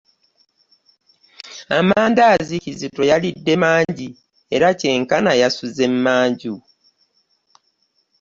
Amandaazi Kizito yalidde mangi era kyenkana yasuze mmanju.